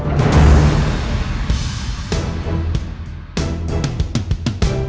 dia bakalan menangis